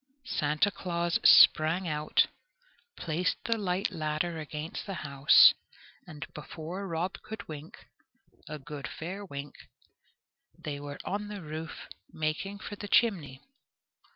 Santa Claus sprang out, placed the light ladder against the house, and before Rob could wink a good fair wink they were on the roof making for the chimney.